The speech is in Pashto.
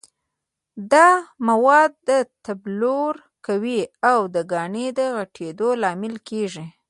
دا مواد تبلور کوي او د کاڼي د غټېدو لامل ګرځي.